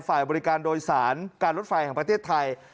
ฝ่ายบริการโดยสารการรถไฟแห่งประเทศไทย